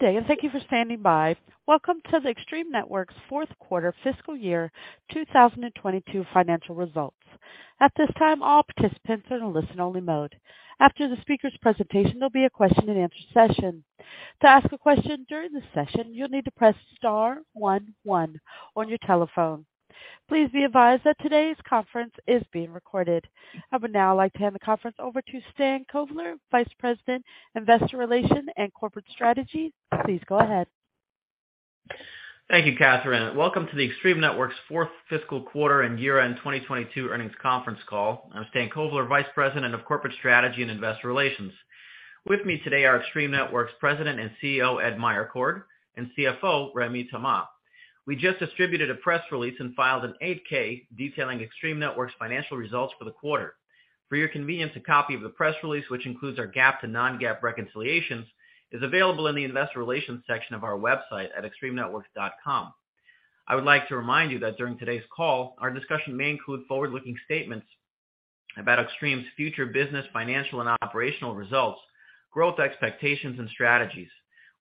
Good day, and thank you for standing by. Welcome to the Extreme Networks' fourth quarter fiscal year 2022 financial results. At this time, all participants are in a listen-only mode. After the speaker's presentation, there'll be a question and answer session. To ask a question during the session, you'll need to press star one one on your telephone. Please be advised that today's conference is being recorded. I would now like to hand the conference over to Stan Kovler, Vice President, Investor Relations and Corporate Strategy. Please go ahead. Thank you, Catherine. Welcome to the Extreme Networks' fourth fiscal quarter and year-end 2022 earnings conference call. I'm Stan Kovler, Vice President of Corporate Strategy and Investor Relations. With me today are Extreme Networks President and CEO, Ed Meyercord, and CFO, Rémi Thomas. We just distributed a press release and filed an 8-K detailing Extreme Networks' financial results for the quarter. For your convenience, a copy of the press release, which includes our GAAP to non-GAAP reconciliations, is available in the investor relations section of our website at extremenetworks.com. I would like to remind you that during today's call, our discussion may include forward-looking statements about Extreme's future business, financial, and operational results, growth expectations, and strategies.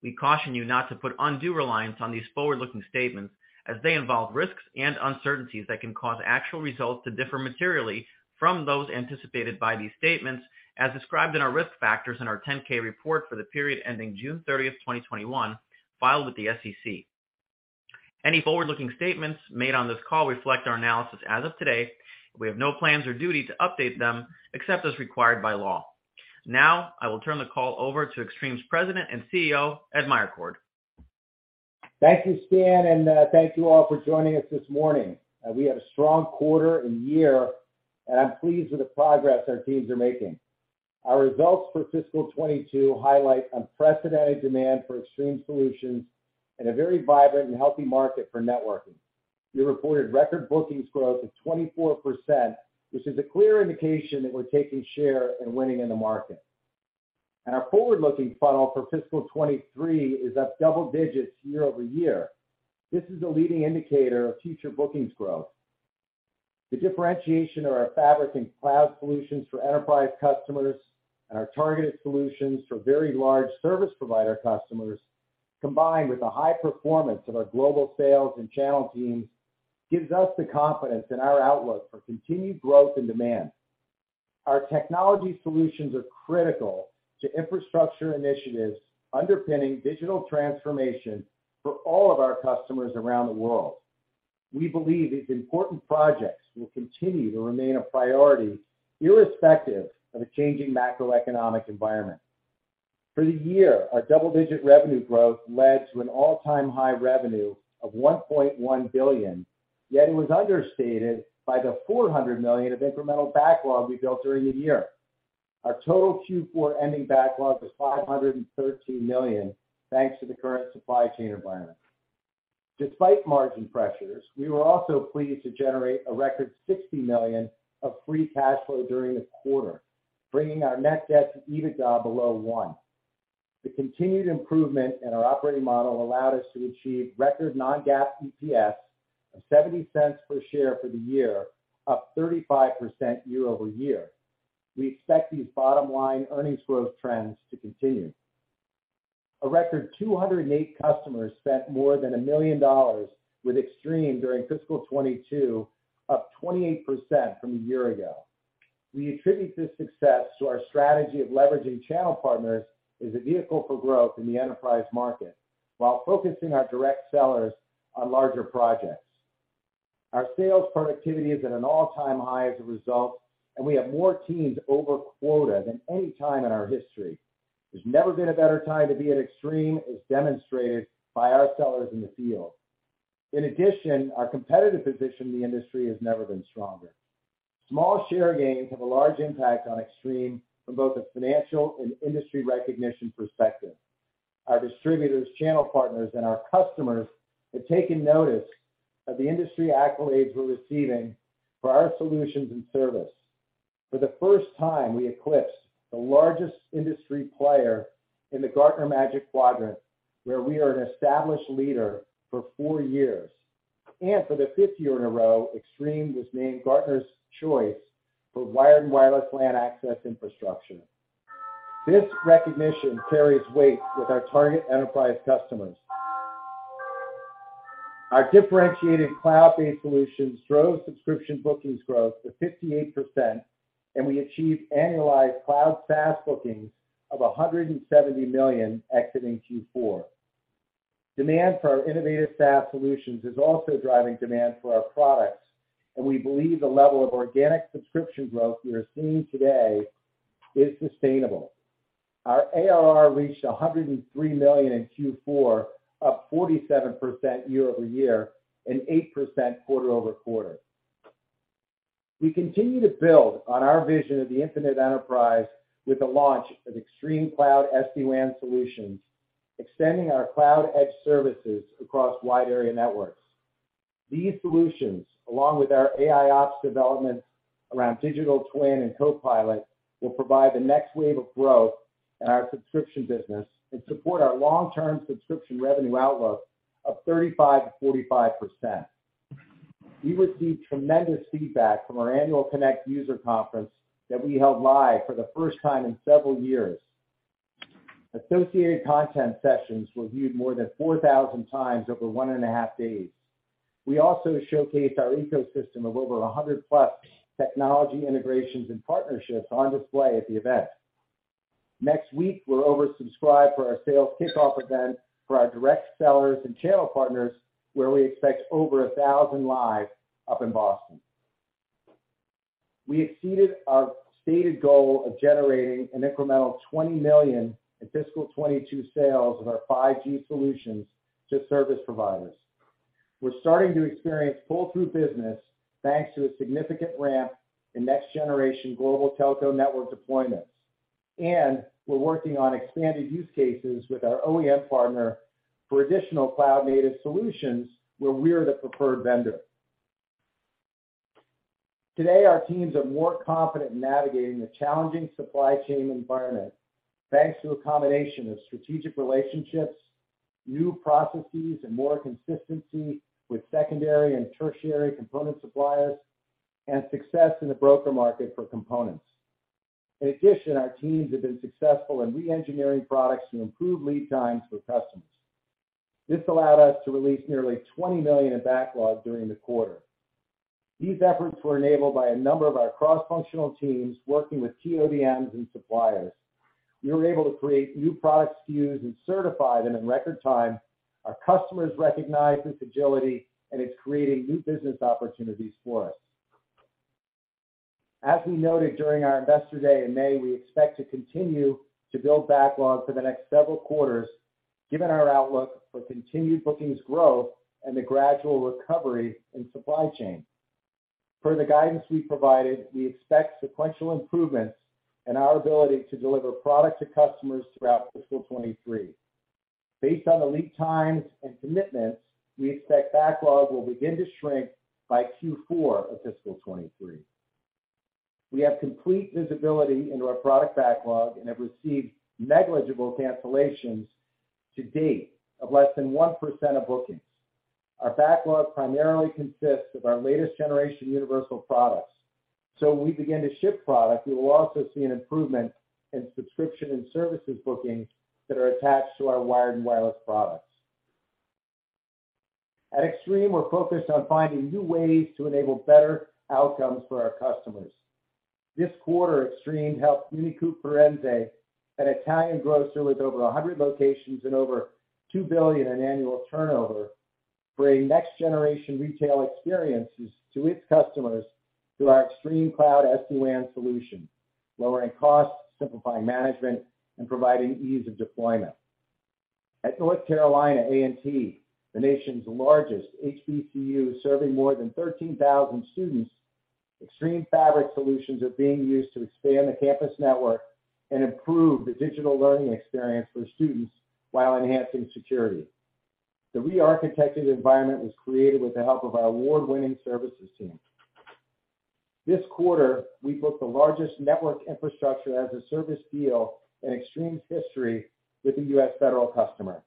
We caution you not to put undue reliance on these forward-looking statements as they involve risks and uncertainties that can cause actual results to differ materially from those anticipated by these statements as described in our risk factors in our 10-K report for the period ending June 30, 2021, filed with the SEC. Any forward-looking statements made on this call reflect our analysis as of today. We have no plans or duty to update them except as required by law. Now, I will turn the call over to Extreme's President and CEO, Ed Meyercord. Thank you, Stan, and thank you all for joining us this morning. We had a strong quarter and year, and I'm pleased with the progress our teams are making. Our results for fiscal 2022 highlight unprecedented demand for Extreme solutions and a very vibrant and healthy market for networking. We reported record bookings growth of 24%, which is a clear indication that we're taking share and winning in the market. Our forward-looking funnel for fiscal 2023 is up double digits year-over-year. This is a leading indicator of future bookings growth. The differentiation of our fabric and cloud solutions for enterprise customers and our targeted solutions for very large service provider customers, combined with the high performance of our global sales and channel teams, gives us the confidence in our outlook for continued growth and demand. Our technology solutions are critical to infrastructure initiatives underpinning digital transformation for all of our customers around the world. We believe these important projects will continue to remain a priority irrespective of a changing macroeconomic environment. For the year, our double-digit revenue growth led to an all-time high revenue of $1.1 billion, yet it was understated by the $400 million of incremental backlog we built during the year. Our total Q4 ending backlog was $513 million, thanks to the current supply chain environment. Despite margin pressures, we were also pleased to generate a record $60 million of free cash flow during the quarter, bringing our net debt to EBITDA below 1. The continued improvement in our operating model allowed us to achieve record non-GAAP EPS of $0.70 per share for the year, up 35% year-over-year. We expect these bottom-line earnings growth trends to continue. A record 208 customers spent more than $1 million with Extreme during fiscal 2022, up 28% from a year ago. We attribute this success to our strategy of leveraging channel partners as a vehicle for growth in the enterprise market while focusing our direct sellers on larger projects. Our sales productivity is at an all-time high as a result, and we have more teams over quota than any time in our history. There's never been a better time to be at Extreme as demonstrated by our sellers in the field. In addition, our competitive position in the industry has never been stronger. Small share gains have a large impact on Extreme from both a financial and industry recognition perspective. Our distributors, channel partners, and our customers have taken notice of the industry accolades we're receiving for our solutions and service. For the first time, we eclipsed the largest industry player in the Gartner Magic Quadrant, where we are an established leader for four years. For the fifth year in a row, Extreme was named Gartner's Choice for wired and wireless LAN access infrastructure. This recognition carries weight with our target enterprise customers. Our differentiated cloud-based solutions drove subscription bookings growth to 58%, and we achieved annualized cloud SaaS bookings of $170 million exiting Q4. Demand for our innovative SaaS solutions is also driving demand for our products, and we believe the level of organic subscription growth we are seeing today is sustainable. Our ARR reached $103 million in Q4, up 47% year-over-year and 8% quarter-over-quarter. We continue to build on our vision of the Infinite Enterprise with the launch of ExtremeCloud SD-WAN solutions, extending our cloud edge services across wide area networks. These solutions, along with our AIOps developments around Digital Twin and CoPilot, will provide the next wave of growth in our subscription business and support our long-term subscription revenue outlook of 35%-45%. We received tremendous feedback from our annual Extreme Connect user conference that we held live for the first time in several years. Associated content sessions were viewed more than 4,000 times over 1.5 days. We also showcased our ecosystem of over 100+ technology integrations and partnerships on display at the event. Next week, we're oversubscribed for our sales kickoff event for our direct sellers and channel partners, where we expect over 1,000 live up in Boston. We exceeded our stated goal of generating an incremental $20 million in fiscal 2022 sales of our 5G solutions to service providers. We're starting to experience pull-through business thanks to a significant ramp in next-generation global telco network deployments. We're working on expanded use cases with our OEM partner for additional cloud-native solutions where we're the preferred vendor. Today, our teams are more confident in navigating the challenging supply chain environment thanks to a combination of strategic relationships, new processes, and more consistency with secondary and tertiary component suppliers, and success in the broker market for components. In addition, our teams have been successful in re-engineering products to improve lead times for customers. This allowed us to release nearly $20 million in backlog during the quarter. These efforts were enabled by a number of our cross-functional teams working with ODMs and suppliers. We were able to create new product SKUs and certify them in record time. Our customers recognize this agility, and it's creating new business opportunities for us. As we noted during our Investor Day in May, we expect to continue to build backlog for the next several quarters, given our outlook for continued bookings growth and the gradual recovery in supply chain. Per the guidance we provided, we expect sequential improvements in our ability to deliver product to customers throughout fiscal 2023. Based on the lead times and commitments, we expect backlog will begin to shrink by Q4 of fiscal 2023. We have complete visibility into our product backlog and have received negligible cancellations to date of less than 1% of bookings. Our backlog primarily consists of our latest generation universal products. When we begin to ship product, we will also see an improvement in subscription and services bookings that are attached to our wired and wireless products. At Extreme, we're focused on finding new ways to enable better outcomes for our customers. This quarter, Extreme helped Unicoop Firenze, an Italian grocer with over 100 locations and over $2 billion in annual turnover, bring next-generation retail experiences to its customers through our ExtremeCloud SD-WAN solution, lowering costs, simplifying management, and providing ease of deployment. At North Carolina A&T, the nation's largest HBCU, serving more than 13,000 students, Extreme Fabric solutions are being used to expand the campus network and improve the digital learning experience for students while enhancing security. The re-architected environment was created with the help of our award-winning services team. This quarter, we booked the largest network infrastructure as a service deal in Extreme's history with a U.S. federal customer.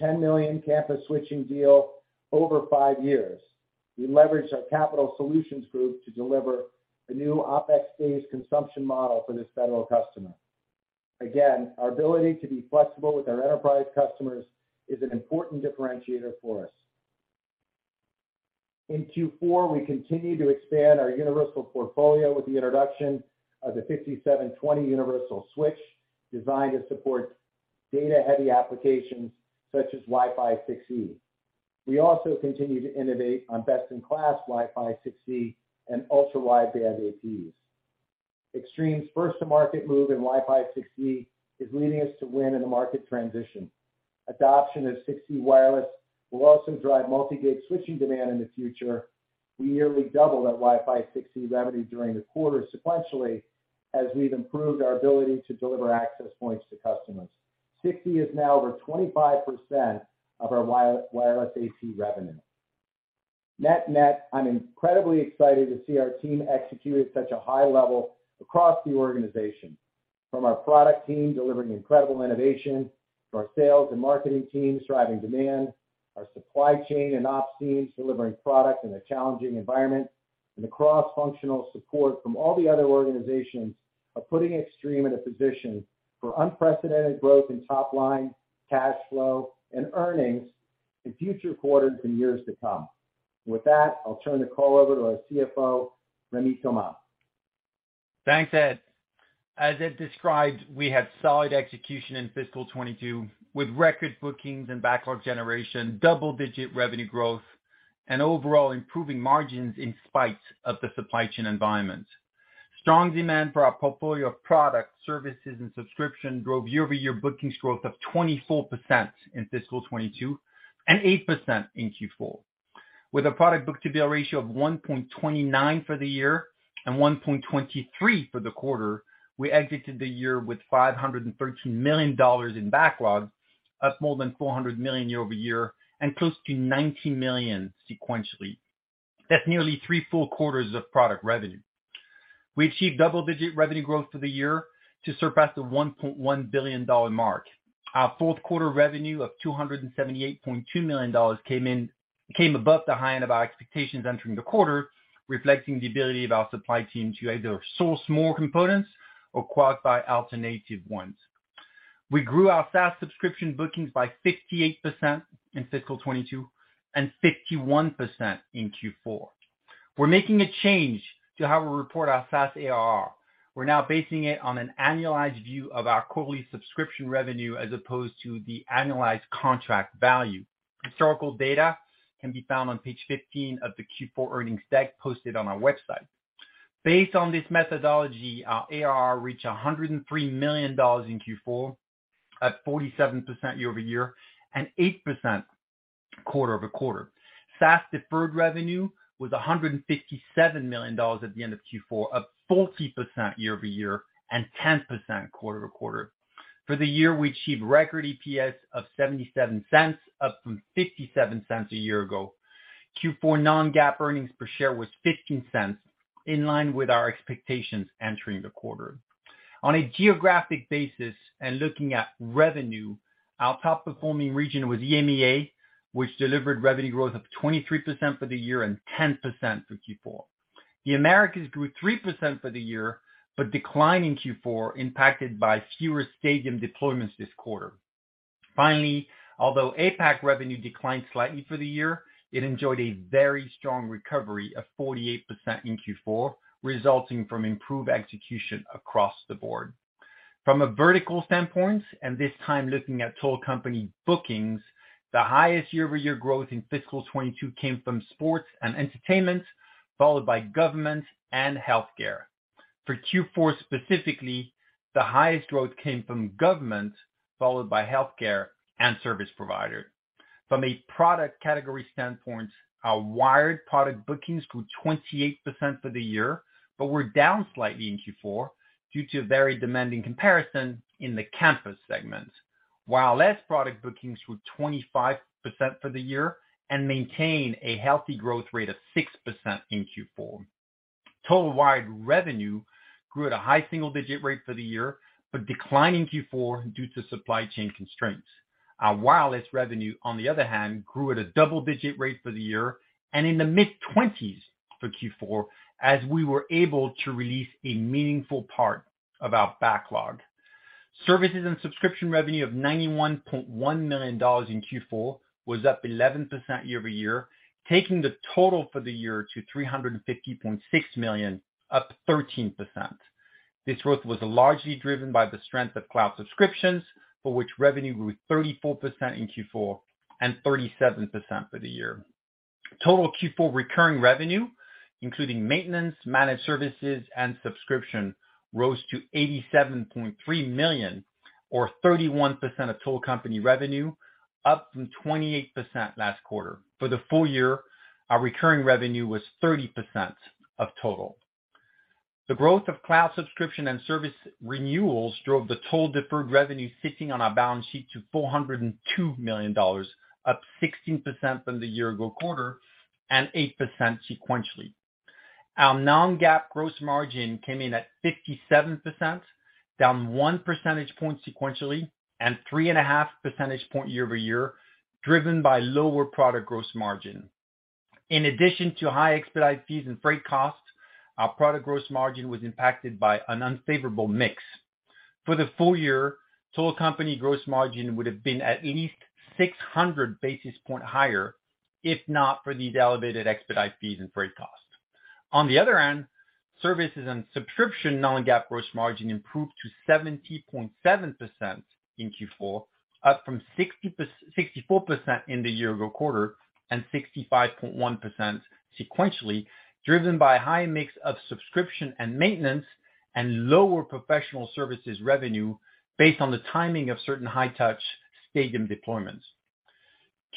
$10 million campus switching deal over 5 years. We leveraged our capital solutions group to deliver a new OpEx-based consumption model for this federal customer. Again, our ability to be flexible with our enterprise customers is an important differentiator for us. In Q4, we continued to expand our universal portfolio with the introduction of the 5720 Universal Switch designed to support data-heavy applications such as Wi-Fi 6E. We also continue to innovate on best-in-class Wi-Fi 6E and ultra-wideband APs. Extreme's first-to-market move in Wi-Fi 6E is leading us to win in the market transition. Adoption of 6E wireless will also drive multi-gig switching demand in the future. We nearly doubled our Wi-Fi 6E revenue during the quarter sequentially as we've improved our ability to deliver access points to customers. 6E is now over 25% of our wired, wireless AP revenue. Net-net, I'm incredibly excited to see our team execute at such a high level across the organization, from our product team delivering incredible innovation, to our sales and marketing team driving demand, our supply chain and ops teams delivering product in a challenging environment, and the cross-functional support from all the other organizations are putting Extreme in a position for unprecedented growth in top line, cash flow, and earnings in future quarters and years to come. With that, I'll turn the call over to our CFO, Rémi Thomas. Thanks, Ed. As Ed described, we had solid execution in fiscal 2022 with record bookings and backlog generation, double-digit revenue growth, and overall improving margins in spite of the supply chain environment. Strong demand for our portfolio of products, services, and subscription drove year-over-year bookings growth of 24% in fiscal 2022 and 8% in Q4. With a product book-to-bill ratio of 1.29 for the year and 1.23 for the quarter, we exited the year with $513 million in backlog, up more than $400 million year-over-year and close to $90 million sequentially. That's nearly three full quarters of product revenue. We achieved double-digit revenue growth for the year to surpass the $1.1 billion mark. Our fourth quarter revenue of $278.2 million came above the high end of our expectations entering the quarter, reflecting the ability of our supply team to either source more components or qualify alternative ones. We grew our SaaS subscription bookings by 58% in fiscal 2022, and 51% in Q4. We're making a change to how we report our SaaS ARR. We're now basing it on an annualized view of our quarterly subscription revenue as opposed to the annualized contract value. Historical data can be found on page 15 of the Q4 earnings deck posted on our website. Based on this methodology, our ARR reached $103 million in Q4 at 47% year-over-year, and 8% quarter-over-quarter. SaaS deferred revenue was $157 million at the end of Q4, up 40% year-over-year, and 10% quarter-over-quarter. For the year, we achieved record EPS of $0.77, up from $0.57 a year ago. Q4 non-GAAP earnings per share was $0.15, in line with our expectations entering the quarter. On a geographic basis, and looking at revenue, our top-performing region was EMEA, which delivered revenue growth of 23% for the year and 10% for Q4. The Americas grew 3% for the year, but declined in Q4, impacted by fewer stadium deployments this quarter. Finally, although APAC revenue declined slightly for the year, it enjoyed a very strong recovery of 48% in Q4, resulting from improved execution across the board. From a vertical standpoint, this time looking at total company bookings, the highest year-over-year growth in fiscal 2022 came from sports and entertainment, followed by government and healthcare. For Q4 specifically, the highest growth came from government, followed by healthcare and service provider. From a product category standpoint, our wired product bookings grew 28% for the year, but were down slightly in Q4 due to a very demanding comparison in the campus segment. Wireless product bookings grew 25% for the year and maintain a healthy growth rate of 6% in Q4. Total wired revenue grew at a high single-digit rate for the year, but declined in Q4 due to supply chain constraints. Our wireless revenue, on the other hand, grew at a double-digit rate for the year and in the mid-20s for Q4 as we were able to release a meaningful part of our backlog. Services and subscription revenue of $91.1 million in Q4 was up 11% year-over-year, taking the total for the year to $350.6 million, up 13%. This growth was largely driven by the strength of cloud subscriptions, for which revenue grew 34% in Q4 and 37% for the year. Total Q4 recurring revenue, including maintenance, managed services, and subscription, rose to $87.3 million or 31% of total company revenue, up from 28% last quarter. For the full year, our recurring revenue was 30% of total. The growth of cloud subscription and service renewals drove the total deferred revenue sitting on our balance sheet to $402 million, up 16% from the year ago quarter and 8% sequentially. Our non-GAAP gross margin came in at 57%, down 1 percentage point sequentially and 3.5 percentage points year-over-year, driven by lower product gross margin. In addition to high expedite fees and freight costs, our product gross margin was impacted by an unfavorable mix. For the full year, total company gross margin would have been at least 600 basis points higher, if not for these elevated expedite fees and freight costs. On the other hand, services and subscription non-GAAP gross margin improved to 70.7% in Q4, up from 64% in the year-ago quarter and 65.1% sequentially, driven by a high mix of subscription and maintenance and lower professional services revenue based on the timing of certain high-touch stadium deployments.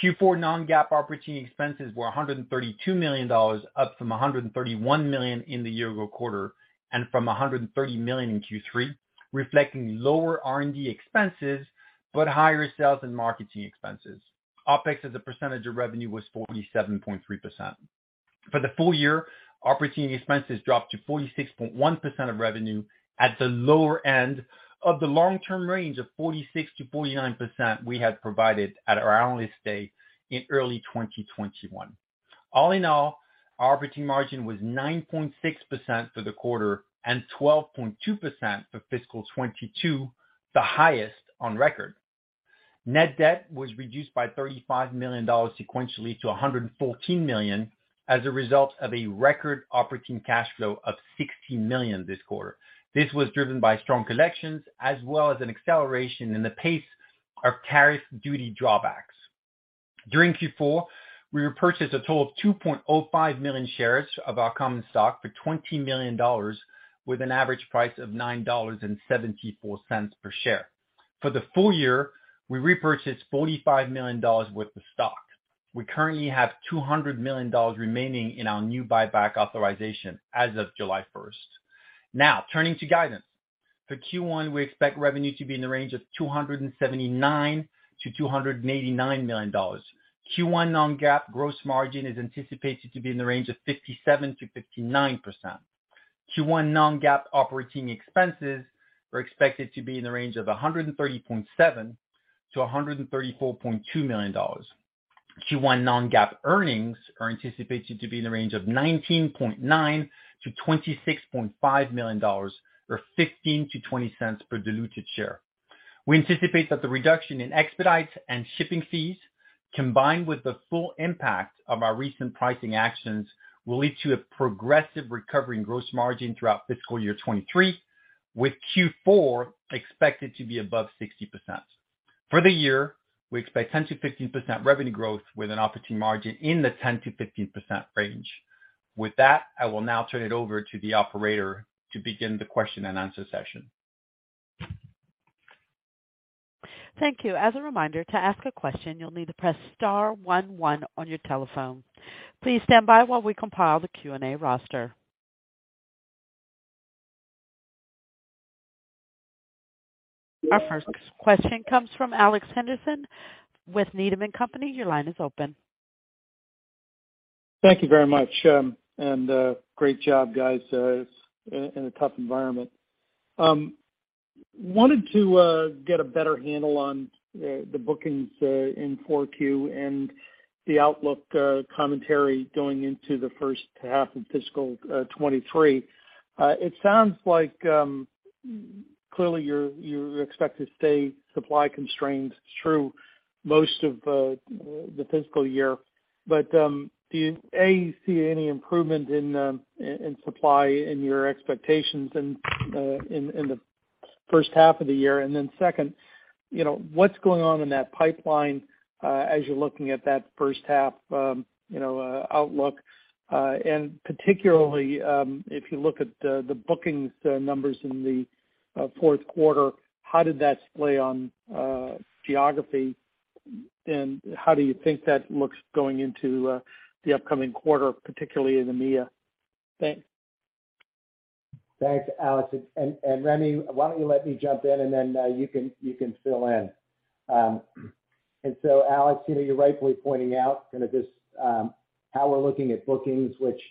Q4 non-GAAP operating expenses were $132 million, up from $131 million in the year ago quarter and from $130 million in Q3, reflecting lower R&D expenses but higher sales and marketing expenses. OpEx as a percentage of revenue was 47.3%. For the full year, operating expenses dropped to 46.1% of revenue at the lower end of the long-term range of 46%-49% we had provided at our analyst day in early 2021. All in all, operating margin was 9.6% for the quarter and 12.2% for fiscal 2022, the highest on record. Net debt was reduced by $35 million sequentially to $114 million as a result of a record operating cash flow of $60 million this quarter. This was driven by strong collections as well as an acceleration in the pace of tariff duty drawbacks. During Q4, we repurchased a total of 2.05 million shares of our common stock for $20 million with an average price of $9.74 per share. For the full year, we repurchased $45 million worth of stock. We currently have $200 million remaining in our new buyback authorization as of July 1. Now, turning to guidance. For Q1, we expect revenue to be in the range of $279 million-$289 million. Q1 non-GAAP gross margin is anticipated to be in the range of 57%-59%. Q1 non-GAAP operating expenses are expected to be in the range of $130.7 million-$134.2 million. Q1 non-GAAP earnings are anticipated to be in the range of $19.9 million-$26.5 million, or $0.15-$0.20 per diluted share. We anticipate that the reduction in expedited and shipping fees, combined with the full impact of our recent pricing actions, will lead to a progressive recovery in gross margin throughout fiscal year 2023, with Q4 expected to be above 60%. For the year, we expect 10%-15% revenue growth with an operating margin in the 10%-15% range. With that, I will now turn it over to the operator to begin the question-and-answer session. Thank you. As a reminder, to ask a question, you'll need to press star one one on your telephone. Please stand by while we compile the Q&A roster. Our first question comes from Alex Henderson with Needham & Company. Your line is open. Thank you very much. Great job, guys. It's in a tough environment. Wanted to get a better handle on the bookings in 4Q and the outlook commentary going into the first half of fiscal 2023. It sounds like clearly you expect supply constraints to stay through most of the fiscal year. Do you A see any improvement in supply in your expectations in the first half of the year? Second, you know, what's going on in that pipeline as you're looking at that first half, you know, outlook, and particularly, if you look at the bookings numbers in the fourth quarter, how did that play on geography, and how do you think that looks going into the upcoming quarter, particularly in EMEA? Thanks. Thanks, Alex. Rémi, why don't you let me jump in, and then you can fill in. Alex, you know, you're rightfully pointing out kind of this how we're looking at bookings, which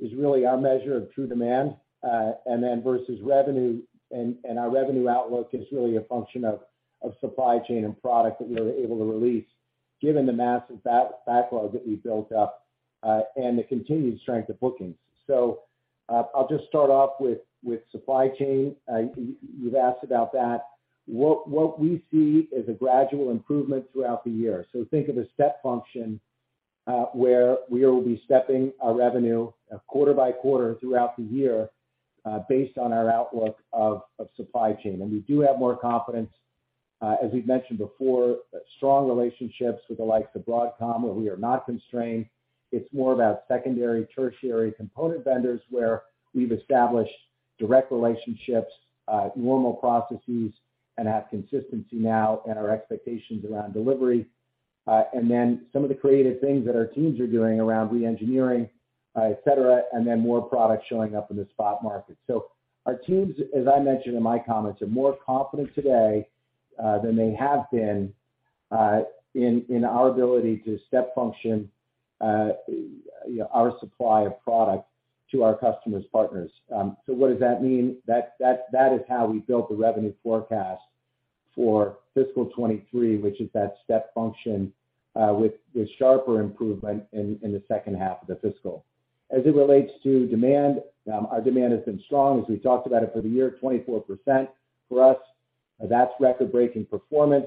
is really our measure of true demand, and then versus revenue. Our revenue outlook is really a function of supply chain and product that we are able to release given the massive backlog that we built up, and the continued strength of bookings. I'll just start off with supply chain. You've asked about that. What we see is a gradual improvement throughout the year. Think of a step function where we will be stepping our revenue quarter by quarter throughout the year, based on our outlook of supply chain. We do have more confidence, as we've mentioned before, strong relationships with the likes of Broadcom, where we are not constrained. It's more about secondary, tertiary component vendors where we've established direct relationships, normal processes, and have consistency now in our expectations around delivery. Then some of the creative things that our teams are doing around re-engineering, et cetera, and then more products showing up in the spot market. Our teams, as I mentioned in my comments, are more confident today than they have been in our ability to step function, you know, our supply of product to our customers' partners. What does that mean? That is how we built the revenue forecast for fiscal 2023, which is that step function with sharper improvement in the second half of the fiscal. As it relates to demand, our demand has been strong, as we've talked about it for the year, 24% for us. That's record-breaking performance.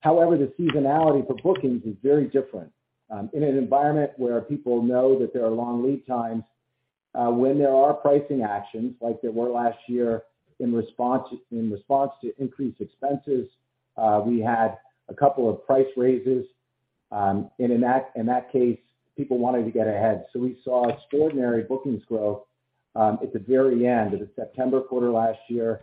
However, the seasonality for bookings is very different. In an environment where people know that there are long lead times, when there are pricing actions like there were last year in response to increased expenses, we had a couple of price raises. In that case, people wanted to get ahead. We saw extraordinary bookings growth at the very end of the September quarter last year,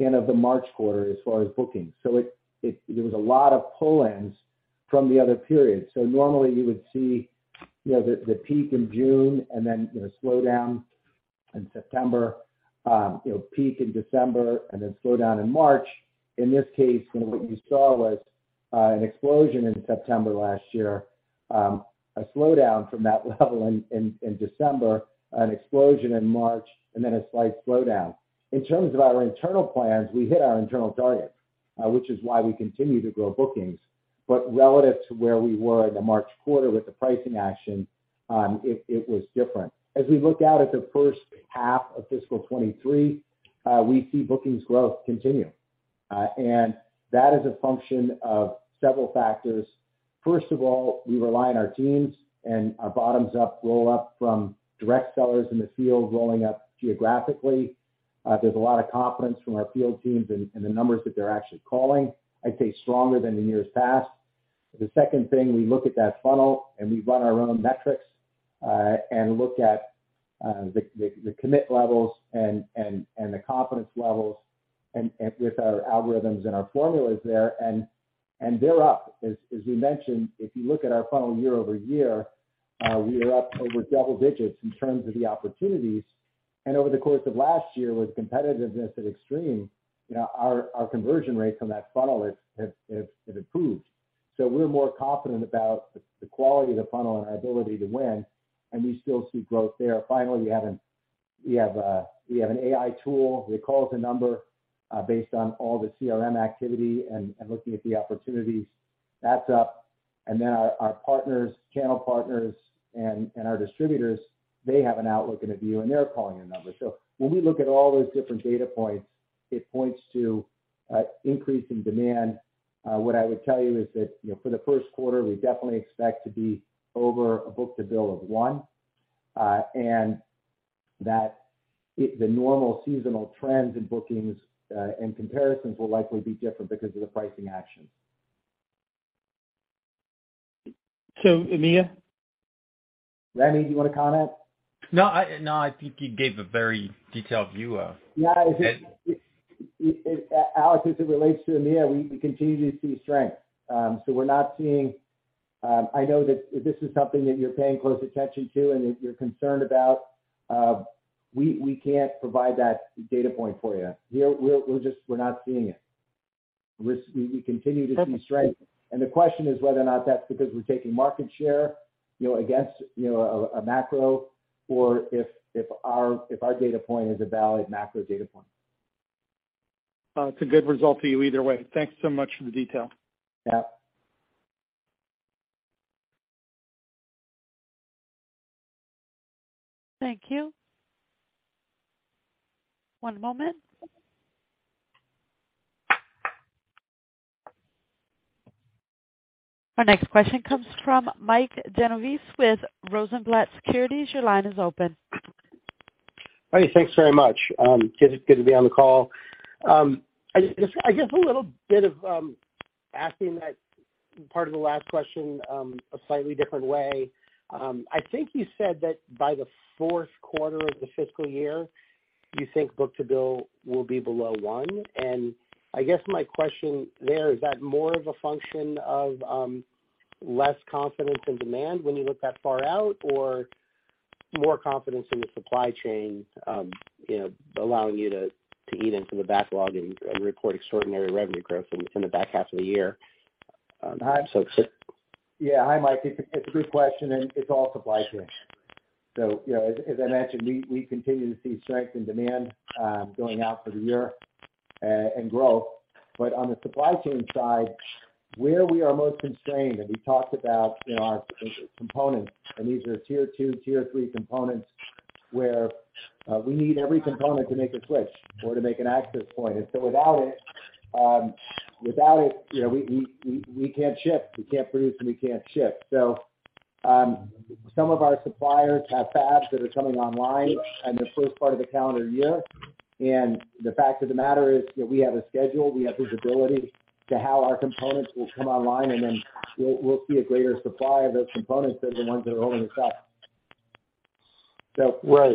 end of the March quarter as far as bookings. There was a lot of pull-ins from the other periods. Normally you would see, you know, the peak in June and then, you know, slow down in September, you know, peak in December and then slow down in March. In this case, you know, what you saw was an explosion in September last year, a slowdown from that level in December, an explosion in March, and then a slight slowdown. In terms of our internal plans, we hit our internal target, which is why we continue to grow bookings. But relative to where we were in the March quarter with the pricing action, it was different. As we look out at the first half of fiscal 2023, we see bookings growth continue. That is a function of several factors. First of all, we rely on our teams and our bottoms-up roll-up from direct sellers in the field rolling up geographically. There's a lot of confidence from our field teams and the numbers that they're actually calling. I'd say stronger than in years past. The second thing, we look at that funnel, and we run our own metrics, and look at the commit levels and the confidence levels. With our algorithms and our formulas there, and they're up. As we mentioned, if you look at our funnel year-over-year, we are up over double digits in terms of the opportunities. Over the course of last year, with competitiveness at Extreme, you know, our conversion rate from that funnel has improved. We're more confident about the quality of the funnel and our ability to win, and we still see growth there. Finally, we have an AI tool. We call it a number based on all the CRM activity and looking at the opportunities. That's up. And then our partners, channel partners and our distributors, they have an outlook and a view, and they're calling a number. When we look at all those different data points, it points to increase in demand. What I would tell you is that for the first quarter, we definitely expect to be over a book-to-bill of one, and the normal seasonal trends in bookings and comparisons will likely be different because of the pricing actions. EMEA? Rémi, do you wanna comment? No, I think you gave a very detailed view of- Yeah. Alex, as it relates to EMEA, we continue to see strength. So we're not seeing it. I know that this is something that you're paying close attention to and that you're concerned about. We can't provide that data point for you. We're not seeing it. We continue to see strength. The question is whether or not that's because we're taking market share, you know, against, you know, a macro or if our data point is a valid macro data point. It's a good result to you either way. Thanks so much for the detail. Yeah. Thank you. One moment. Our next question comes from Mike Genovese with Rosenblatt Securities. Your line is open. Hi. Thanks very much. It's good to be on the call. I guess asking that part of the last question a slightly different way. I think you said that by the fourth quarter of the fiscal year, you think book-to-bill will be below one. I guess my question there is that more of a function of less confidence in demand when you look that far out, or more confidence in the supply chain, you know, allowing you to eat into the backlog and report extraordinary revenue growth in the back half of the year? Yeah. Hi, Mike. It's a good question, and it's all supply chain. You know, as I mentioned, we continue to see strength in demand, going out for the year, and growth. On the supply chain side, where we are most constrained, and we talked about in our components, and these are tier two, tier three components, where we need every component to make a switch or to make an access point. Without it, you know, we can't ship. We can't produce and we can't ship. Some of our suppliers have fabs that are coming online in the first part of the calendar year. The fact of the matter is that we have a schedule, we have visibility to how our components will come online, and then we'll see a greater supply of those components than the ones that are holding us up. Right.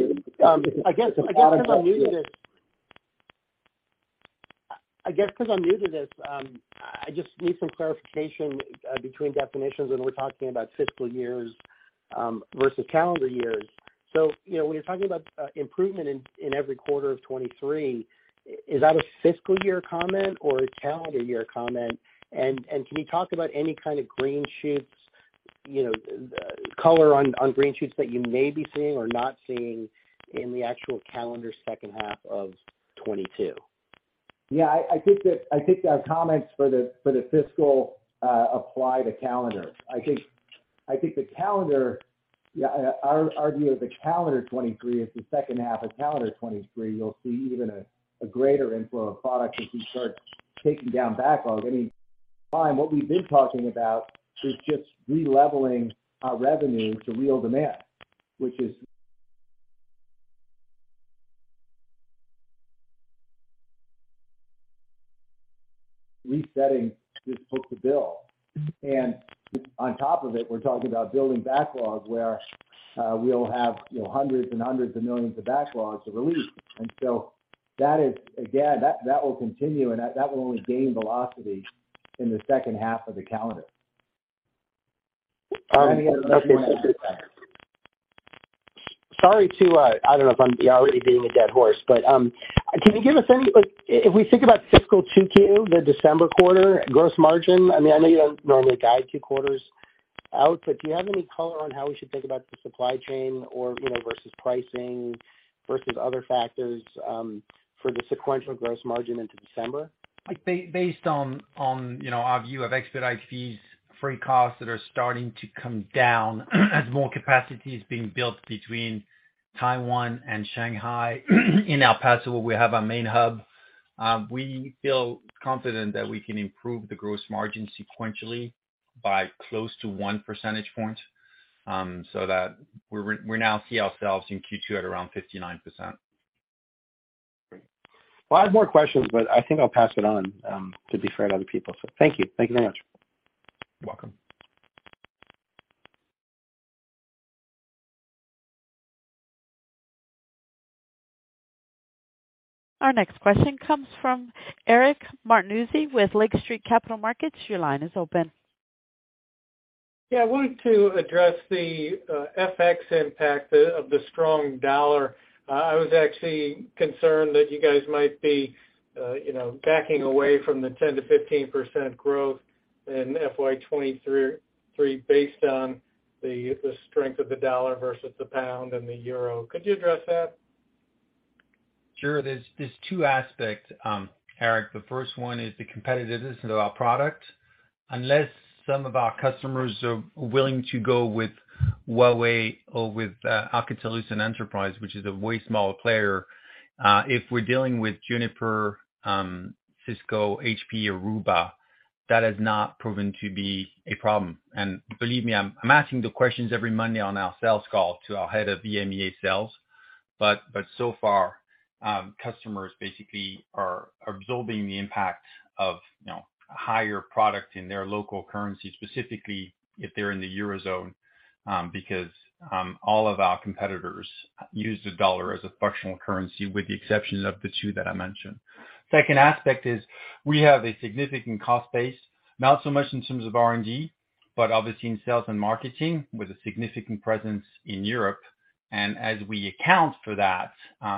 I guess 'cause I'm new to this, I just need some clarification between definitions when we're talking about fiscal years versus calendar years. You know, when you're talking about improvement in every quarter of 2023, is that a fiscal year comment or a calendar year comment? Can you talk about any kind of green shoots, you know, color on green shoots that you may be seeing or not seeing in the actual calendar second half of 2022? Yeah. I think the comments for the fiscal apply to calendar. I think the calendar, our view of the calendar 2023 is the second half of calendar 2023. You'll see even a greater inflow of product as we start taking down backlog. I mean, what we've been talking about is just releveling our revenue to real demand, which is resetting this book-to-bill. On top of it, we're talking about building backlog where we'll have hundreds of millions of backlogs to release. That is, again, that will continue and that will only gain velocity in the second half of the calendar. All right. Okay. Any other- Sorry to, I don't know if I'm already beating a dead horse, but can you give us any, if we think about fiscal 2Q, the December quarter gross margin. I mean, I know you don't normally guide two quarters out, but do you have any color on how we should think about the supply chain or, you know, versus pricing versus other factors for the sequential gross margin into December? Like, based on you know, our view of expedite fees, freight costs that are starting to come down as more capacity is being built between Taiwan and Shanghai, in El Paso, where we have our main hub, we feel confident that we can improve the gross margin sequentially by close to one percentage point, so that we now see ourselves in Q2 at around 59%. Great. Well, I have more questions, but I think I'll pass it on, to be fair to other people. Thank you. Thank you very much. You're welcome. Our next question comes from Eric Martinuzzi with Lake Street Capital Markets. Your line is open. Yeah, I wanted to address the FX impact of the strong dollar. I was actually concerned that you guys might be, you know, backing away from the 10%-15% growth in FY 2023 based on the strength of the dollar versus the pound and the euro. Could you address that? Sure. There's two aspects, Eric. The first one is the competitiveness of our product. Unless some of our customers are willing to go with Huawei or with Alcatel-Lucent Enterprise, which is a way smaller player, if we're dealing with Juniper, Cisco, HP, Aruba, that has not proven to be a problem. Believe me, I'm asking the questions every Monday on our sales call to our head of EMEA sales. So far, customers basically are absorbing the impact of, you know, higher prices in their local currency, specifically if they're in the Eurozone, because all of our competitors use the dollar as a functional currency with the exception of the two that I mentioned. Second aspect is we have a significant cost base, not so much in terms of R&D, but obviously in sales and marketing with a significant presence in Europe. As we account for that,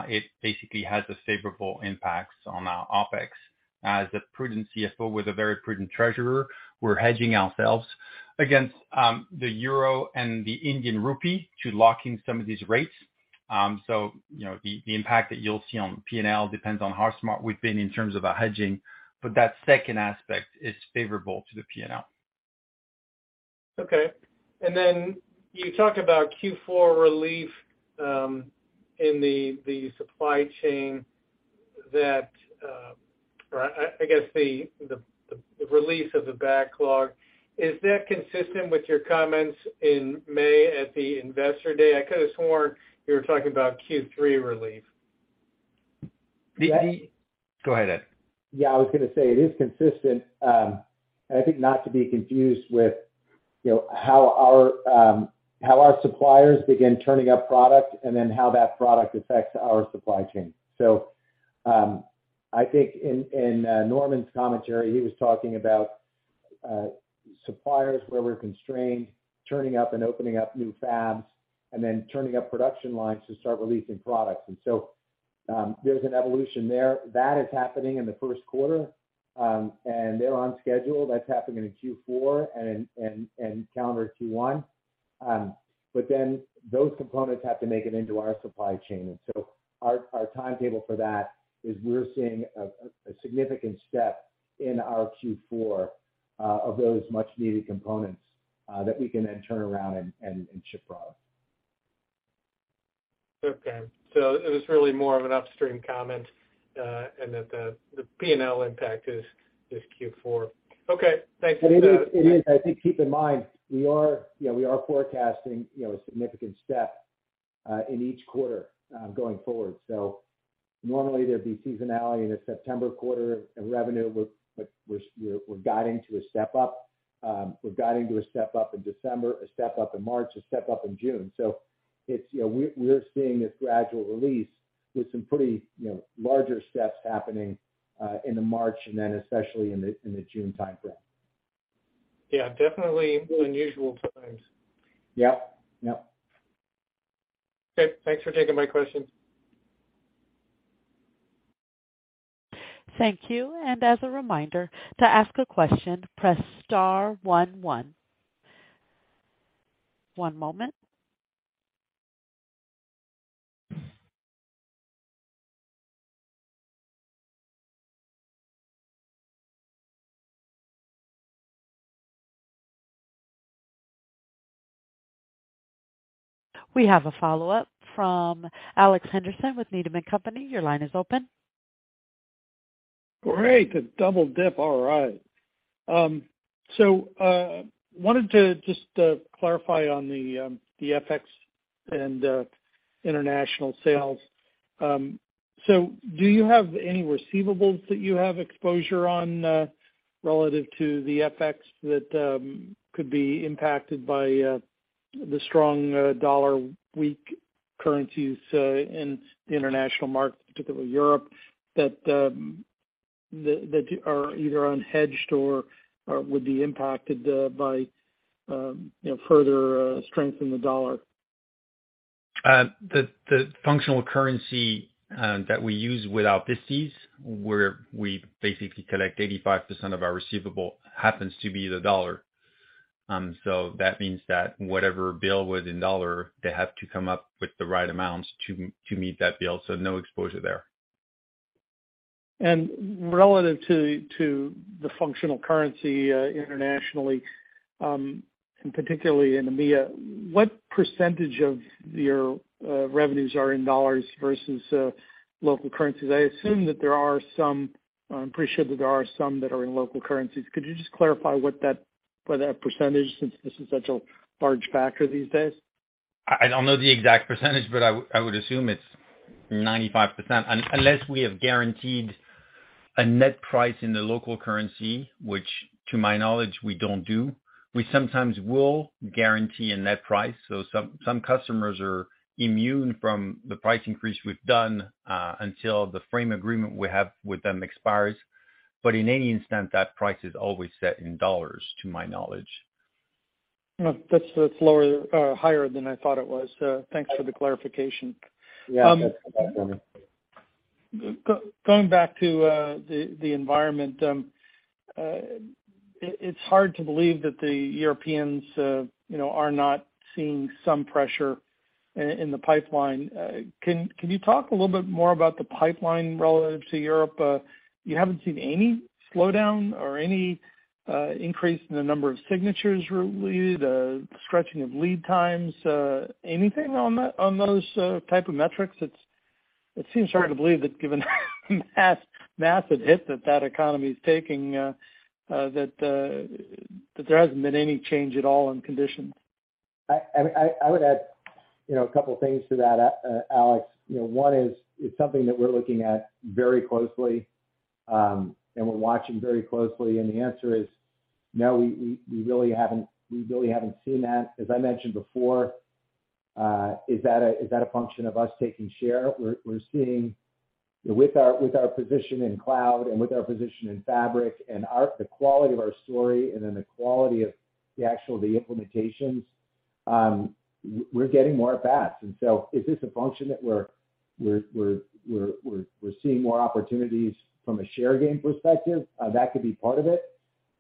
it basically has a favorable impact on our OpEx. As a prudent CFO with a very prudent treasurer, we're hedging ourselves against the euro and the Indian rupee to lock in some of these rates. You know, the impact that you'll see on P&L depends on how smart we've been in terms of our hedging, but that second aspect is favorable to the P&L. Okay. You talk about Q4 relief in the supply chain or I guess the release of the backlog. Is that consistent with your comments in May at the Investor Day? I could have sworn you were talking about Q3 relief. Go ahead, Ed. Yeah, I was gonna say it is consistent, and I think not to be confused with, you know, how our suppliers begin turning up product and then how that product affects our supply chain. I think in Norman's commentary, he was talking about suppliers where we're constrained, turning up and opening up new fabs and then turning up production lines to start releasing products. There's an evolution there. That is happening in the first quarter, and they're on schedule. That's happening in Q4 and in calendar Q1. Then those components have to make it into our supply chain. Our timetable for that is we're seeing a significant step in our Q4 of those much needed components that we can then turn around and ship product. Okay. It was really more of an upstream comment, and that the P&L impact is Q4. Okay. Thanks. It is. I think keep in mind we are forecasting a significant step in each quarter going forward. Normally there'd be seasonality in the September quarter in revenue, but we're guiding to a step-up. We're guiding to a step-up in December, a step-up in March, a step-up in June. It's you know, we're seeing this gradual release with some pretty larger steps happening in the March and then especially in the June timeframe. Yeah, definitely unusual times. Yep. Yep. Okay, thanks for taking my question. Thank you. As a reminder, to ask a question, press star one one. One moment. We have a follow-up from Alex Henderson with Needham & Company. Your line is open. Great. The double dip. All right. Wanted to just clarify on the FX and international sales. Do you have any receivables that you have exposure on relative to the FX that could be impacted by the strong dollar, weak currencies in the international market, particularly Europe, that are either unhedged or would be impacted by you know, further strength in the dollar? The functional currency that we use with our VADs, where we basically collect 85% of our receivable, happens to be the dollar. That means that whatever bill was in dollar, they have to come up with the right amounts to meet that bill. No exposure there. Relative to the functional currency, internationally, and particularly in EMEA, what percentage of your revenues are in dollars versus local currencies? I assume that there are some. I'm pretty sure that there are some that are in local currencies. Could you just clarify what that percentage, since this is such a large factor these days? I don't know the exact percentage, but I would assume it's 95% unless we have guaranteed a net price in the local currency, which to my knowledge, we don't do. We sometimes will guarantee a net price. Some customers are immune from the price increase we've done until the framework agreement we have with them expires. In any event, that price is always set in dollars, to my knowledge. No, that's higher than I thought it was. Thanks for the clarification. Yeah. Going back to the environment, it's hard to believe that the Europeans, you know, are not seeing some pressure in the pipeline. Can you talk a little bit more about the pipeline relative to Europe? You haven't seen any slowdown or any increase in the number of signatures related stretching of lead times, anything on that, on those type of metrics? It seems hard to believe that given massive hit that economy is taking, that there hasn't been any change at all in conditions. I would add, you know, a couple things to that, Alex. You know, one is, it's something that we're looking at very closely, and we're watching very closely, and the answer is no. We really haven't seen that. As I mentioned before, is that a function of us taking share? We're seeing with our position in cloud and with our position in fabric and the quality of our story, and then the quality of the actual implementations, we're getting more fast. Is this a function that we're seeing more opportunities from a share gain perspective? That could be part of it.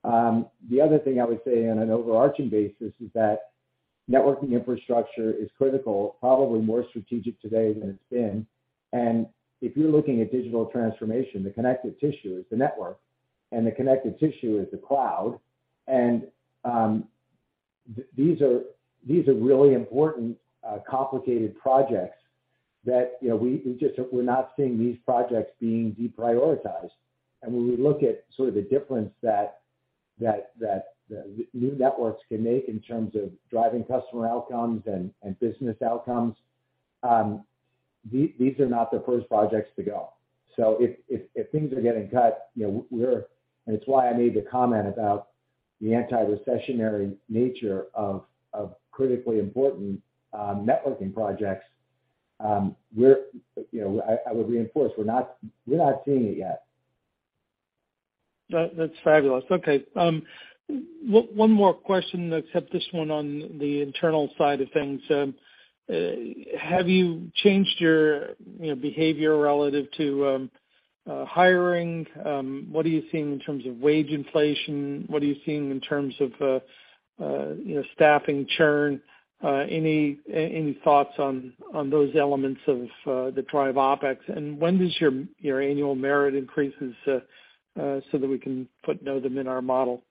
The other thing I would say on an overarching basis is that networking infrastructure is critical, probably more strategic today than it's been. If you're looking at digital transformation, the connective tissue is the network, and the connective tissue is the cloud. These are really important, complicated projects that, you know, we're not seeing these projects being deprioritized. When we look at sort of the difference that the new networks can make in terms of driving customer outcomes and business outcomes, these are not the first projects to go. If things are getting cut, you know. It's why I made the comment about the anti-recessionary nature of critically important networking projects. I would reinforce, we're not seeing it yet. That's fabulous. Okay. One more question, next one on the internal side of things. Have you changed your, you know, behavior relative to hiring? What are you seeing in terms of wage inflation? What are you seeing in terms of, you know, staffing churn? Any thoughts on those elements of the drive OpEx? And when does your annual merit increases, so that we can put them in our model?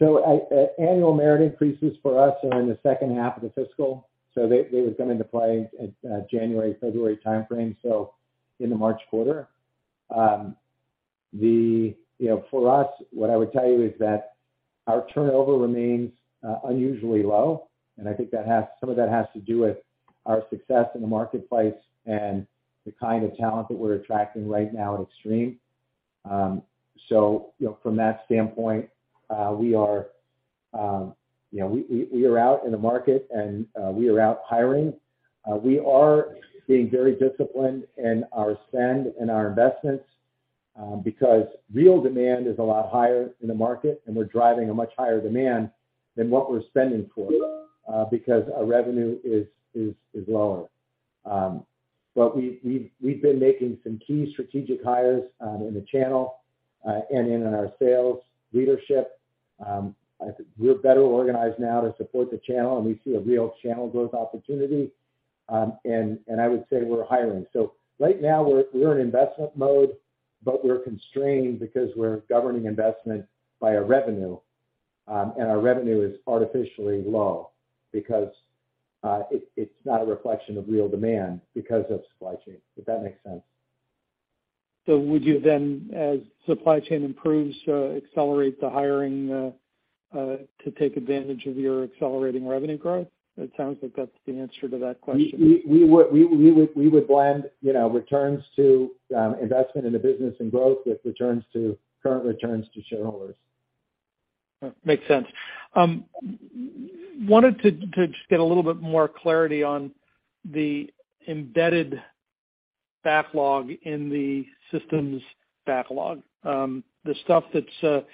Annual merit increases for us are in the second half of the fiscal. They would come into play at January, February timeframe, in the March quarter. You know, for us, what I would tell you is that our turnover remains unusually low, and I think that some of that has to do with our success in the marketplace and the kind of talent that we're attracting right now at Extreme. You know, from that standpoint, we are out in the market and we are out hiring. We are being very disciplined in our spend and our investments, because real demand is a lot higher in the market, and we're driving a much higher demand than what we're spending for, because our revenue is lower. We've been making some key strategic hires in the channel and in our sales leadership. I think we're better organized now to support the channel, and we see a real channel growth opportunity. I would say we're hiring. Right now we're in investment mode, but we're constrained because we're governing investment by our revenue, and our revenue is artificially low because it's not a reflection of real demand because of supply chain, if that makes sense. Would you then, as supply chain improves, accelerate the hiring, to take advantage of your accelerating revenue growth? It sounds like that's the answer to that question. We would blend, you know, returns to investment in the business and growth with returns to current shareholders. Makes sense. Wanted to just get a little bit more clarity on the embedded backlog in the systems backlog. The stuff that's,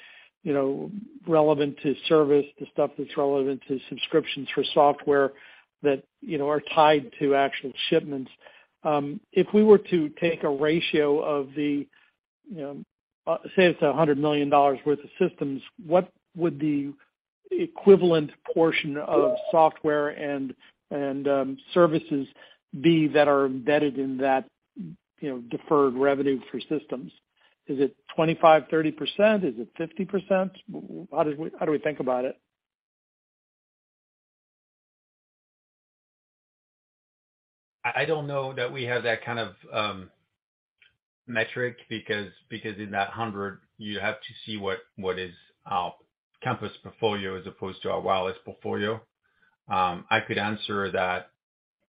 you know, relevant to service, the stuff that's relevant to subscriptions for software that, you know, are tied to actual shipments. If we were to take a ratio of the, you know, say it's $100 million worth of systems, what would the equivalent portion of software and services be that are embedded in that, you know, deferred revenue for systems? Is it 25%, 30%? Is it 50%? How do we think about it? I don't know that we have that kind of metric because in that 100, you have to see what is our campus portfolio as opposed to our wireless portfolio.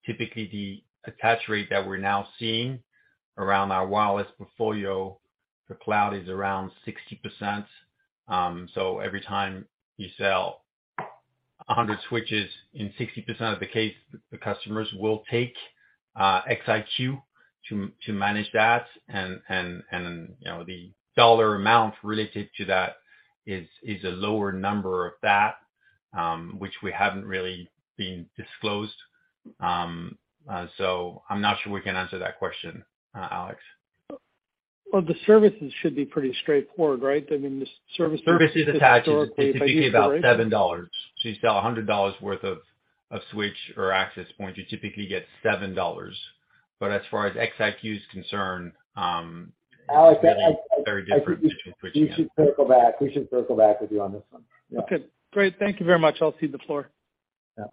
Typically, the attach rate that we're now seeing around our wireless portfolio for cloud is around 60%. Every time you sell 100 switches, in 60% of the case, the customers will take XIQ to manage that. You know, the dollar amount related to that is a lower number than that, which we haven't really disclosed. I'm not sure we can answer that question, Alex. Well, the services should be pretty straightforward, right? Services attach is typically about $7. You sell $100 worth of switch or access point, you typically get $7. As far as XIQ is concerned, it's really very different between switching and- Alex, I think we should circle back. We should circle back with you on this one. Okay, great. Thank you very much. I'll cede the floor. Yeah.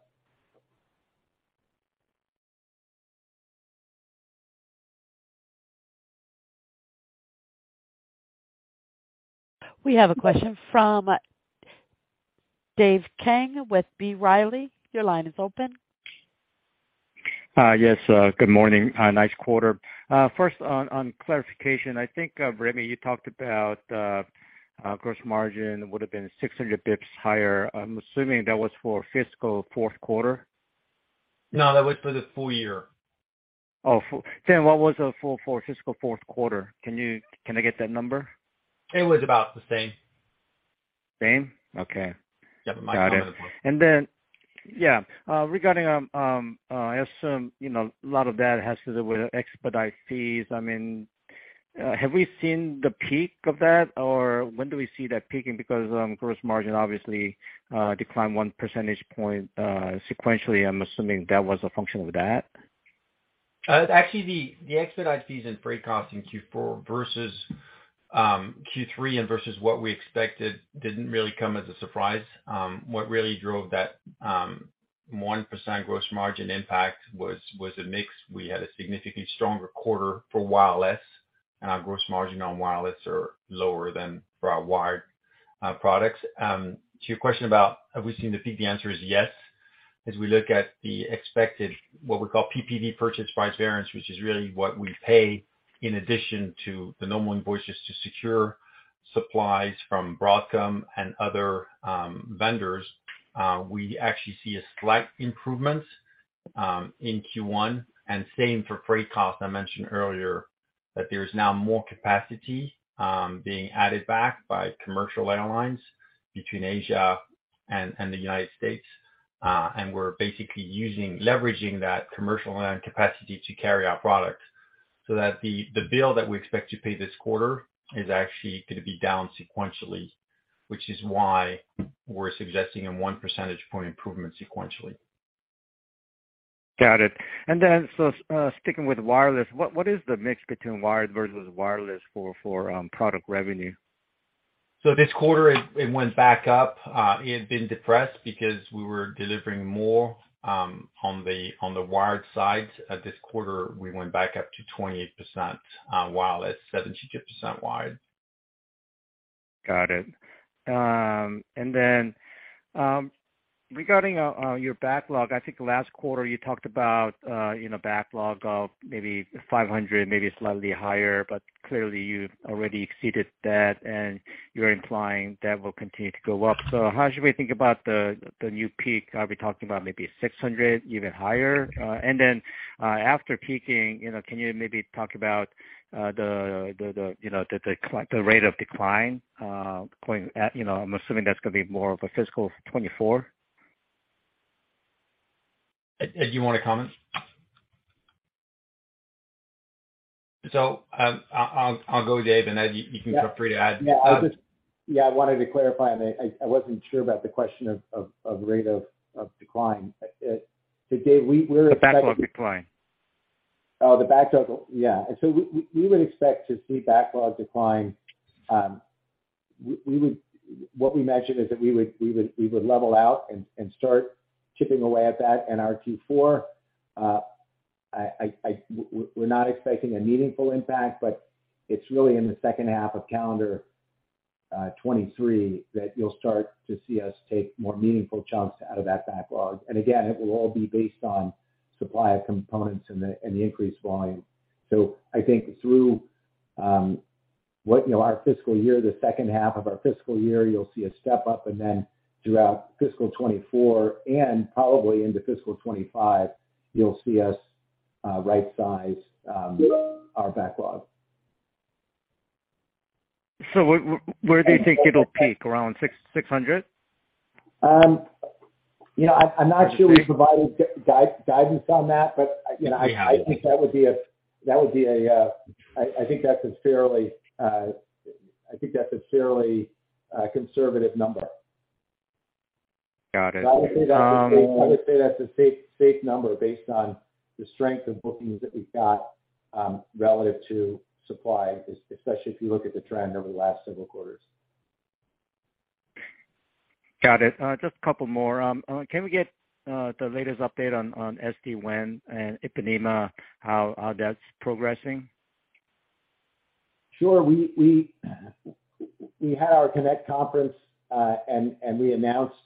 We have a question from Dave Kang with B. Riley. Your line is open. Yes, good morning. Nice quarter. First on clarification, I think, Rémi, you talked about gross margin would have been 600 basis points higher. I'm assuming that was for fiscal fourth quarter. No, that was for the full year. What was the full for fiscal fourth quarter? Can I get that number? It was about the same. Same? Okay. Yeah. Got it. Yeah, regarding, I assume, you know, a lot of that has to do with expedite fees. I mean, have we seen the peak of that or when do we see that peaking? Because gross margin obviously declined one percentage point sequentially. I'm assuming that was a function of that. Actually the expedite fees and freight costs in Q4 versus Q3 and versus what we expected didn't really come as a surprise. What really drove that 1% gross margin impact was a mix. We had a significantly stronger quarter for wireless, and our gross margin on wireless are lower than for our wired products. To your question about have we seen the peak, the answer is yes. As we look at the expected, what we call PPV, purchase price variance, which is really what we pay in addition to the normal invoices to secure supplies from Broadcom and other vendors, we actually see a slight improvement in Q1. Same for freight cost. I mentioned earlier that there is now more capacity being added back by commercial airlines between Asia and the United States. We're basically leveraging that commercial airline capacity to carry our product so that the bill that we expect to pay this quarter is actually gonna be down sequentially. Which is why we're suggesting a one percentage point improvement sequentially. Got it. Sticking with wireless, what is the mix between wired versus wireless for product revenue? This quarter it went back up. It had been depressed because we were delivering more on the wired side. This quarter, we went back up to 28% wireless, 72% wired. Got it. Regarding your backlog, I think last quarter you talked about, you know, backlog of maybe 500, maybe slightly higher, but clearly you've already exceeded that and you're implying that will continue to go up. How should we think about the new peak? Are we talking about maybe 600, even higher? After peaking, you know, can you maybe talk about the rate of decline going into, you know, I'm assuming that's gonna be more of a fiscal 2024. Ed, do you wanna comment? I'll go, Dave, and Ed, you can feel free to add. I wanted to clarify. I wasn't sure about the question of rate of decline. Dave, we're- The backlog decline. Oh, the backlog. Yeah. We would expect to see backlog decline. What we mentioned is that we would level out and start chipping away at that in our Q4. We're not expecting a meaningful impact, but it's really in the second half of calendar 2023 that you'll start to see us take more meaningful chunks out of that backlog. It will all be based on supply of components and the increased volume. I think through what, you know, our fiscal year, the second half of our fiscal year, you'll see a step-up. Then throughout fiscal 2024 and probably into fiscal 2025, you'll see us rightsize our backlog. Where do you think it'll peak, around 600? You know, I'm not sure we've provided guidance on that, but, you know, I think that's a fairly conservative number. Got it. I would say that's a safe number based on the strength of bookings that we've got, relative to supply, especially if you look at the trend over the last several quarters. Got it. Just a couple more. Can we get the latest update on SD-WAN and Ipanema, how that's progressing? Sure. We had our Extreme Connect conference, and we announced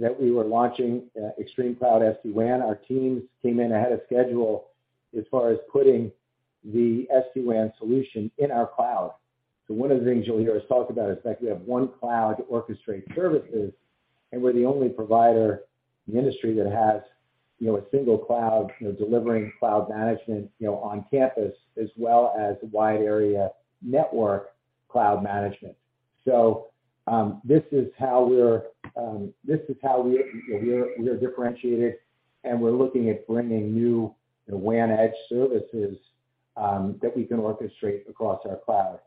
that we were launching ExtremeCloud SD-WAN. Our teams came in ahead of schedule as far as putting the SD-WAN solution in our cloud. One of the things you'll hear us talk about is that we have one cloud orchestrating services, and we're the only provider in the industry that has, you know, a single cloud, you know, delivering cloud management, you know, on campus as well as wide area network cloud management. This is how we are differentiated, and we're looking at bringing new WAN edge services that we can orchestrate across our cloud.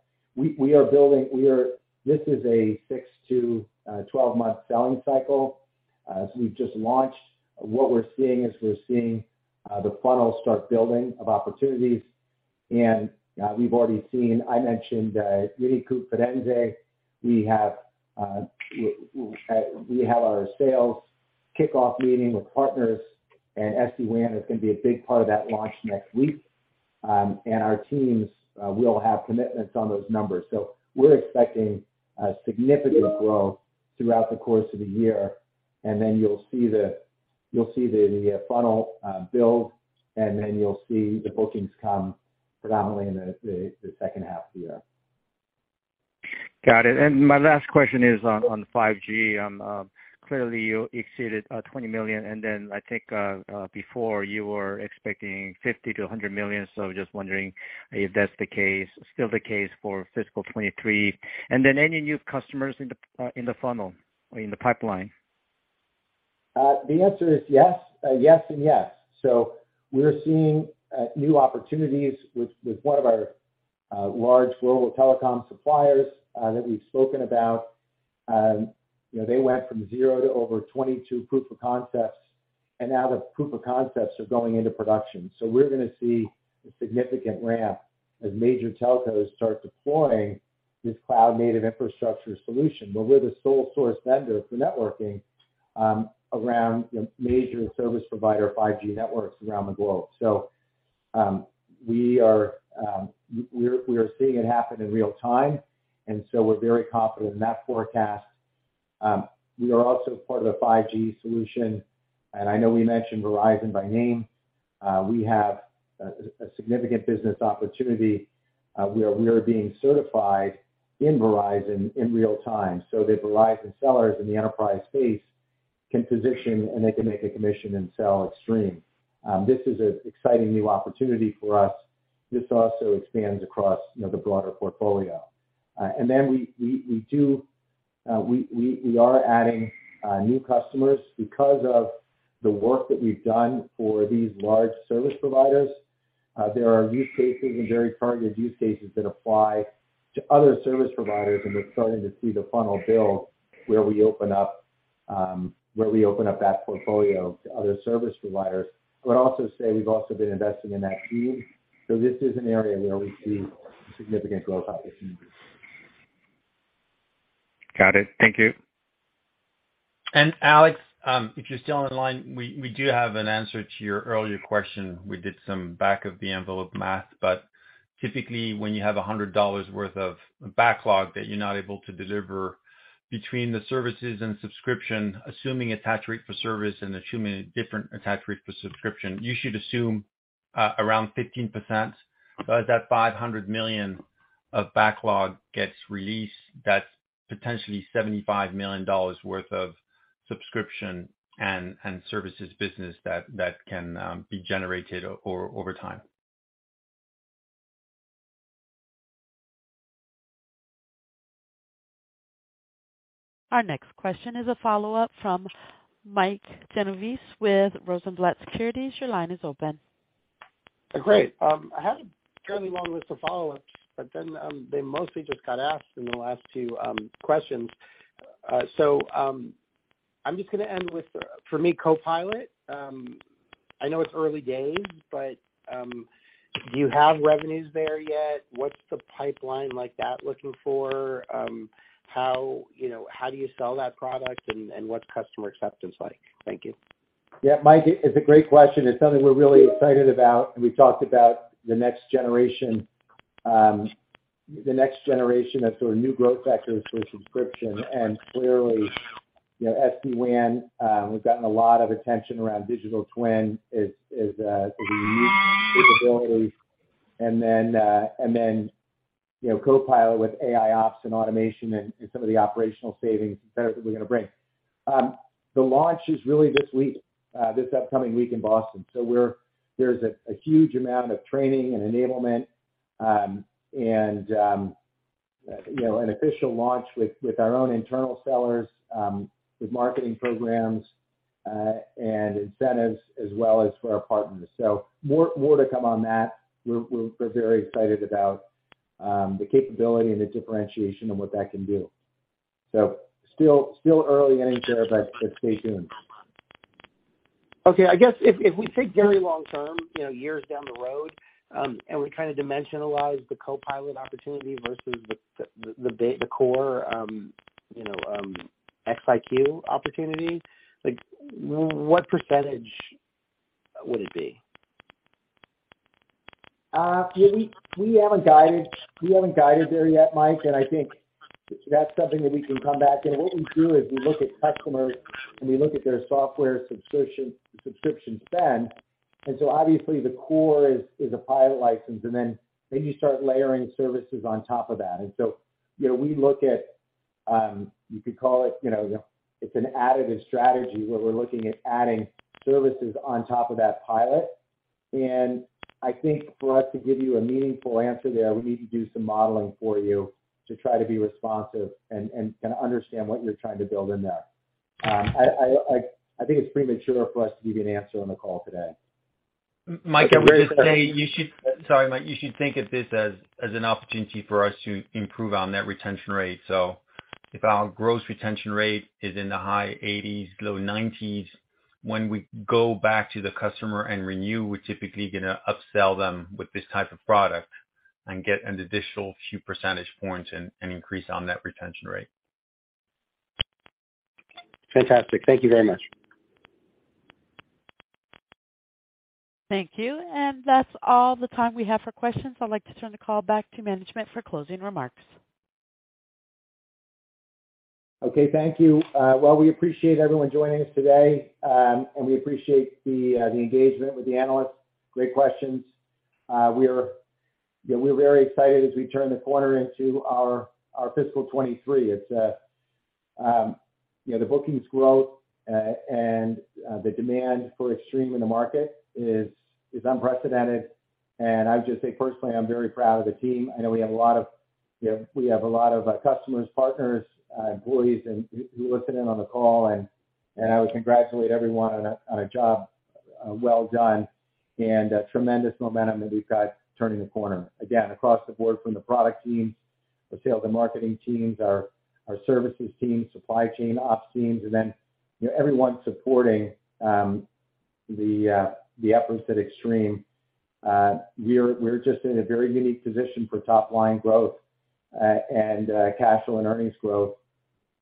This is a 6-12-month selling cycle, so we've just launched. What we're seeing is the funnel start building of opportunities. We've already seen, I mentioned, Our next question is a follow-up from Mike Genovese with Rosenblatt Securities. Your line is open. Great. I had a fairly long list of follow-ups, but then they mostly just got asked in the last two questions. I'm just gonna end with, for me, CoPilot. I know it's early days, but do you have revenues there yet? What's the pipeline looking like for? How, you know, do you sell that product and what's customer acceptance like? Thank you. Yeah. Mike, it's a great question. It's something we're really excited about. We talked about the next generation of sort of new growth vectors for subscription. Clearly, you know, SD-WAN, we've gotten a lot of attention around Digital Twin is a unique capability. Then, you know, Copilot with AIOps and automation and some of the operational savings that we're gonna bring. The launch is really this upcoming week in Boston. There's a huge amount of training and enablement and you know, an official launch with our own internal sellers, with marketing programs and incentives as well as for our partners. More to come on that. We're very excited about the capability and the differentiation and what that can do. Still early innings here, but stay tuned. Okay. I guess if we think very long-term, you know, years down the road, and we kind of dimensionalize the CoPilot opportunity versus the core XIQ opportunity, like, what percentage? Yeah, we haven't guided there yet, Mike, and I think that's something that we can come back. What we do is we look at customers, and we look at their software subscription spend. Obviously the core is a pilot license, and then you start layering services on top of that. You know, we look at, you could call it, you know, it's an additive strategy where we're looking at adding services on top of that pilot. I think for us to give you a meaningful answer there, we need to do some modeling for you to try to be responsive and kinda understand what you're trying to build in there. I think it's premature for us to give you an answer on the call today. Sorry, Mike, you should think of this as an opportunity for us to improve our net retention rate. If our gross retention rate is in the high 80s%, low 90s%, when we go back to the customer and renew, we're typically gonna upsell them with this type of product and get an additional few percentage points and increase our net retention rate. Fantastic. Thank you very much. Thank you. That's all the time we have for questions. I'd like to turn the call back to management for closing remarks. Okay. Thank you. Well, we appreciate everyone joining us today, and we appreciate the engagement with the analysts. Great questions. Yeah, we're very excited as we turn the corner into our fiscal 2023. It's you know, the bookings growth, and the demand for Extreme in the market is unprecedented. I would just say, personally, I'm very proud of the team. I know we have a lot of customers, partners, employees who listen in on the call, and I would congratulate everyone on a job well done and a tremendous momentum that we've got turning the corner. Again, across the board from the product teams, the sales and marketing teams, our services teams, supply chain, ops teams, and then, you know, everyone supporting the efforts at Extreme. We're just in a very unique position for top line growth, and cash flow and earnings growth,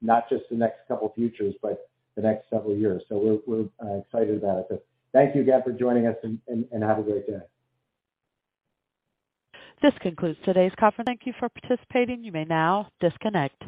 not just the next couple of quarters, but the next several years. We're excited about it. Thank you again for joining us and have a great day. This concludes today's conference. Thank you for participating. You may now disconnect.